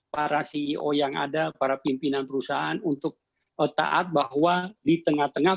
para ceo yang ada para pimpinan perusahaan untuk taat bahwa di tengah tengah